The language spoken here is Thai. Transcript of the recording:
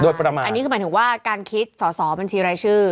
โดยประมาณอันนี้คือหมายถึงว่าการคิดสอสอบัญชีรายชื่อ